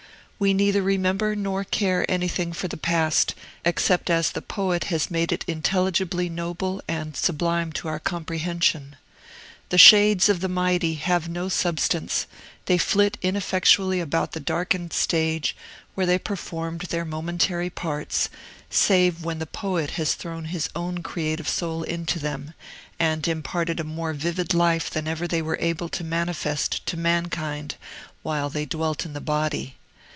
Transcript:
We neither remember nor care anything for the past, except as the poet has made it intelligibly noble and sublime to our comprehension. The shades of the mighty have no substance; they flit ineffectually about the darkened stage where they performed their momentary parts, save when the poet has thrown his own creative soul into them, and imparted a more vivid life than ever they were able to manifest to mankind while they dwelt in the body.